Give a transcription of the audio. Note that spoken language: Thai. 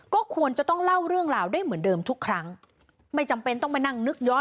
ก็ควรจะต้องเล่าเรื่องราวได้เหมือนเดิมทุกครั้งไม่จำเป็นต้องไปนั่งนึกย้อน